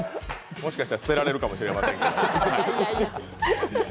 もしかしたら捨てられるかもしれませんが。